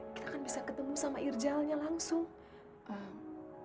kita akan bisa ketemu sama irjalnya langsung